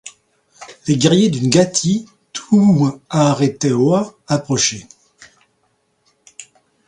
Les guerriers du Ngati Tuwharetoa approchaient.